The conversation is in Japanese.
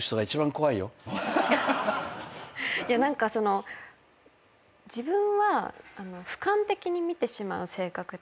いや何か自分はふかん的に見てしまう性格で。